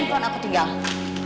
handphone aku tinggal